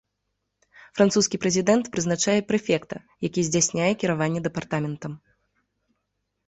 Французскі прэзідэнт прызначае прэфекта, які здзяйсняе кіраванне дэпартаментам.